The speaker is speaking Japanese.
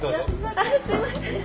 あっすいません。